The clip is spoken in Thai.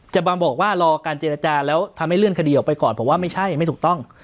จะมาบอกว่ารอการเจรจาแล้วทำให้เลื่อนคดีออกไปก่อนผมว่าไม่ใช่ไม่ถูกต้อง